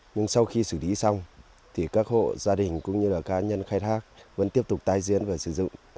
nhưng sau khi xử lý xong thì các hộ gia đình cũng như là cá nhân khai thác vẫn tiếp tục tái diễn và sử dụng